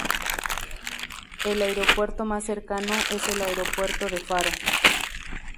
El aeropuerto más cercano es el Aeropuerto de Faro.